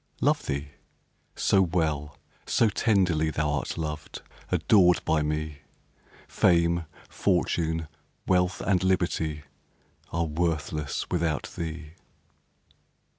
Love thee? so well, so tenderly, Thou'rt loved, adored by me, Fame, fortune, wealth, and liberty, Are worthless without thee.